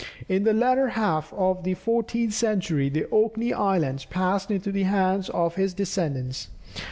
In the latter half of the fourteenth century, the Orkney Islands passed into the hands of his descendants.